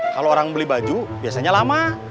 kalau orang beli baju biasanya lama